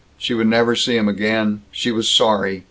She would never see him again. She was sorry.